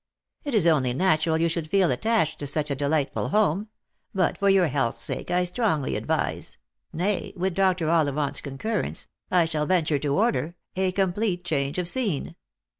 " It is only natural you should feel attached to such a de lightful home. But for your health's sake I strongly advise — nay, with Dr. Ollivant's concurrence, I shall venture to order — a complete change of scene.